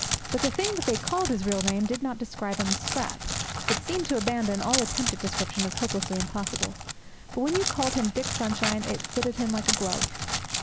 But the thing that they called his real name did not describe him a scrap; it seemed to abandon all attempt at description as hopelessly impossible; but when you called him Dick Sunshine it fitted him like a glove.